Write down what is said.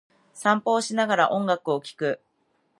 散歩をしながら、音楽を聴く。